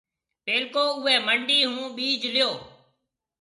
پيلڪو اُوئي منڊِي هون ٻِيج ليو۔